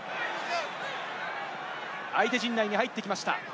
相手陣内に入ってきました。